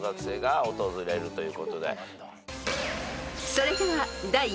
［それでは］